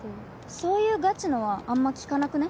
そういうガチのはあんま聞かなくね？